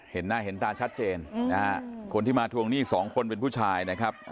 เห็นหน้าเห็นตาชัดเจนนะฮะคนที่มาทวงหนี้สองคนเป็นผู้ชายนะครับ